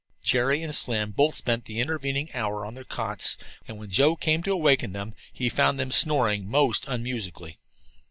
Jerry and Slim both spent the intervening hour on their cots, and when Joe came to awaken them he found them snoring most unmusically.